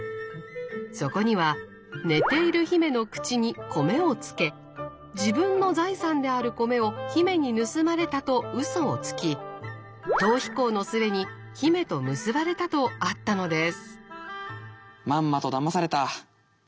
そこには寝ている姫の口に米をつけ自分の財産である米を姫に盗まれたとウソをつき逃避行の末に姫と結ばれたとあったのです。